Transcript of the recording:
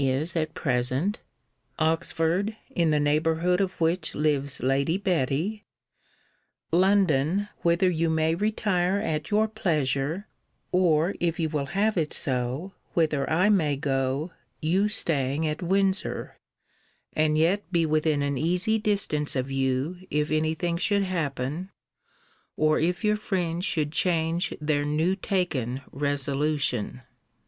is at present: Oxford, in the neighbourhood of which lives Lady Betty: London, whither you may retire at your pleasure: or, if you will have it so, whither I may go, you staying at Windsor; and yet be within an easy distance of you, if any thing should happen, or if your friends should change their new taken resolution.